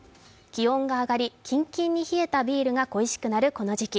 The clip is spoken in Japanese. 気温が上がり、キンキンに冷えたビールが恋しくなるこの時期。